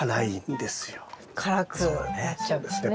辛くなっちゃうんですね。